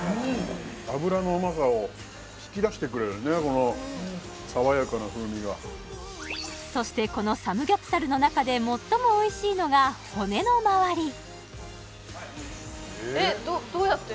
脂のうまさを引き出してくれるねこの爽やかな風味がそしてこのサムギョプサルの中でえっどうやって？